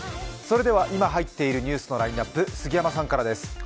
今入っているニュースのラインナップ杉山さんからです。